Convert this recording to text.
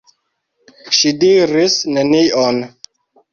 Ŝi diris nenion.